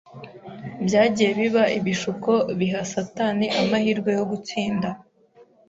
byagiye biba ibishuko biha Satani amahirwe yo gutsinda.